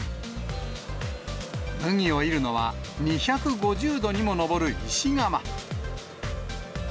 麦をいるのは２５０度にも上る石釜。